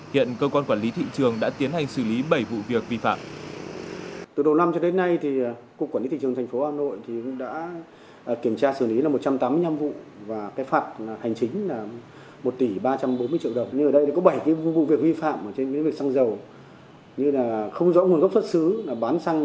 hiện cơ quan quản lý thị trường đã tiến hành xử lý bảy vụ việc vi phạm